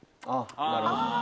なるほど。